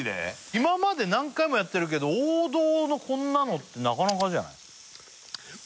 今まで何回もやってるけど王道のこんなのなかなかじゃない？